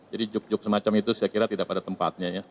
jadi juk juk semacam itu saya kira tidak pada tempatnya ya